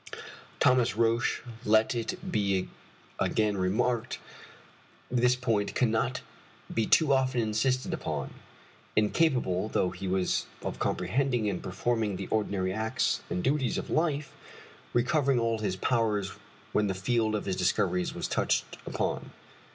Thomas Roch, let it be again remarked this point cannot be too often insisted upon incapable though he was of comprehending and performing the ordinary acts and duties of life, recovered all his powers when the field of his discoveries was touched upon.